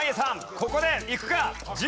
ここでいくか？